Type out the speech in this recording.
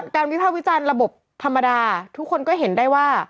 วิภาควิจารณ์ระบบธรรมดาทุกคนก็เห็นได้ว่า